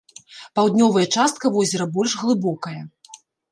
Паўднёвая частка возера больш глыбокая.